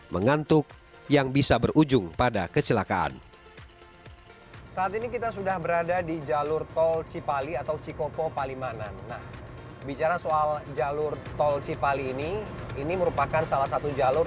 mengangkat kebosan dan menolak